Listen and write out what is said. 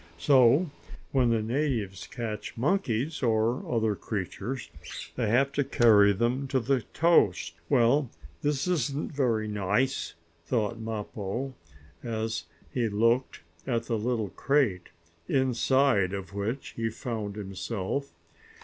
So when the natives catch monkeys, or other creatures, they have to carry them to the coast. "Well, this isn't very nice," thought Mappo, as he looked at the little crate, inside of which he now found himself.